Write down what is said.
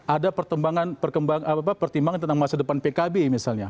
ada pertimbangan tentang masa depan pkb misalnya